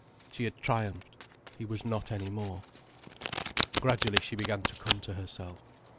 She had triumphed: he was not any more. Gradually she began to come to herself.